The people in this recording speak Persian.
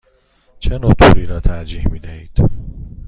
چه نوع توری را ترجیح می دهید؟